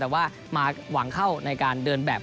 แต่ว่ามาหวังเข้าในการเดินแบบ